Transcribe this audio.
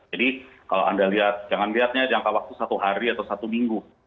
jadi kalau anda lihat jangan lihatnya jangka waktu satu hari atau satu minggu